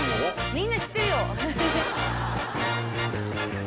みんな知ってるよ。